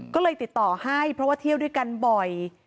ก็เลยติดต่อให้เพราะว่าเที่ยวด้วยกันบ่อย